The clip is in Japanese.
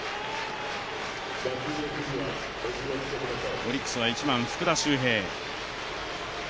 オリックス１番、福田周平。